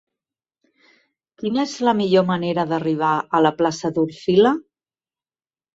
Quina és la millor manera d'arribar a la plaça d'Orfila?